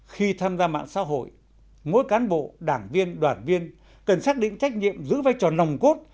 khi tham gia mạng xã hội mỗi cán bộ đảng viên đoàn viên cần xác định trách nhiệm giữ vai trò nòng cốt